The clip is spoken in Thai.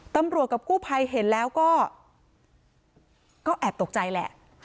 ตำรวจกับกู้ภัยเห็นแล้วก็แอบตกใจหล่ะ